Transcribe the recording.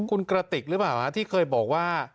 คุณกระติกหรือเปล่าที่เคยบอกว่า